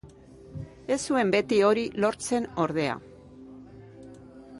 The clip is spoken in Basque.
Ez zuen beti hori lortzen ordea.